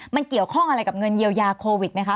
มันเกี่ยวข้องอะไรกับเงินเยียวยาโควิดไหมคะ